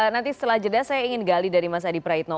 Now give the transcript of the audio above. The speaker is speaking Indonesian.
nanti setelah jeda saya ingin gali dari mas adi praitno